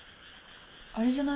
あれじゃない？